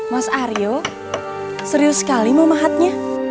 mas ario serius sekali mau mahatnya